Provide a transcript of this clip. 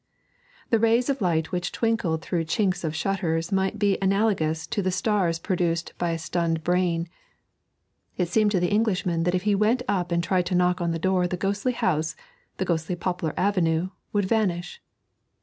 The rays of light which twinkled through chinks of shutters might be analogous to the stars produced by a stunned brain; it seemed to the Englishman that if he went up and tried to knock on the door the ghostly house, the ghostly poplar avenue, would vanish.